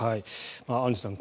アンジュさん